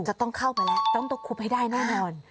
จะต้องเข้าไปแล้วต้องคุบให้ได้แน่นอน